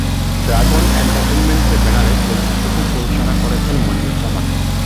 Dragon এন্টারটেইনমেন্টের ব্যানারে চলচ্চিত্রটি প্রযোজনা করেছেন মনিরুজ্জামান।